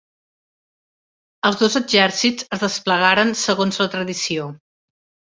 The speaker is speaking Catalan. Els dos exèrcits es desplegaren segons la tradició.